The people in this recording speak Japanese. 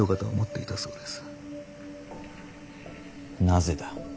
なぜだ。